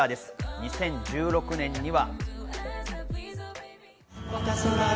２０１６年には。